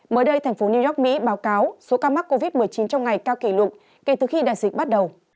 mới đây thành phố new york mỹ báo cáo số ca mắc covid một mươi chín trong ngày cao kỷ lục kể từ khi đại dịch bắt đầu